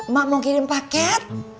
mak mau kirim paket